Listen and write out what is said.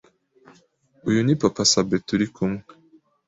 Uyu ni Papa Sabin turikumwee